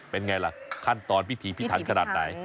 เป็นไงล่ะขั้นตอนพิธีพิถันขนาดไหน